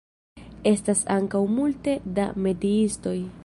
Estas ankaŭ multe da metiistoj.